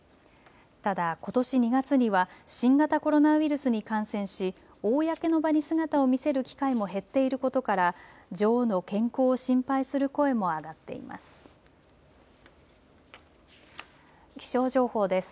ただ、ことし２月には新型コロナウイルスに感染し公の場に姿を見せる機会も減っていることから女王の健康を心配する声も上がっています。